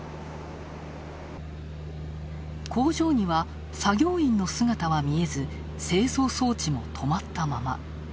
工場には作業員の姿は見えず製造装置も止まったまま。